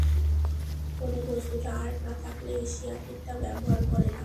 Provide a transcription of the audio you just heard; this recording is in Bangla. কোন বস্তুতে আর্ট না থাকলে এশিয়াটিক তা ব্যবহার করে না।